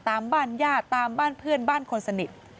ตามบ้านญาติตามบ้านเพื่อนบ้านคนสนิท